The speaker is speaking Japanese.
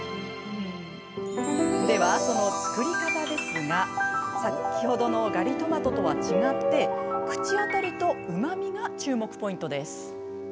では、その作り方ですが先ほどのガリトマトとは違って口当たりと、うまみが注目ポイントです。